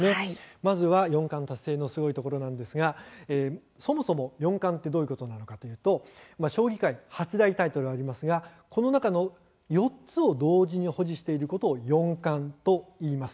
まずは四冠達成のすごいところなんですがそもそも四冠とはどういうことなのかというと将棋界８大タイトルありますがこの中の４つを同時に保持していることを四冠といいます。